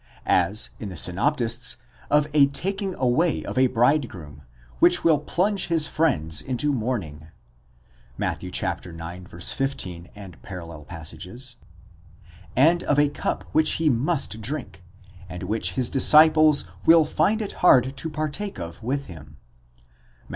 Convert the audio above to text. as, in the synoptists, of a taking away of a bridegroom, which will plunge his friends into mourning (Matt, ix. 15 parall.), and of a cup, which he must drink, and which his disciples will find it hard to partake of with him (Matt.